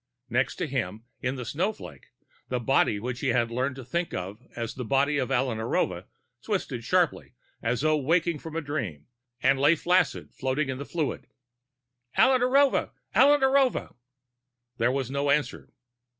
Next to him in the snowflake, the body which he had learned to think of as the body of Alla Narova twisted sharply as though waking from a dream and lay flaccid, floating in the fluid. "Alla Narova! Alla Narova!" There was no answer.